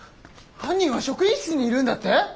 犯人は職員室にいるんだって！？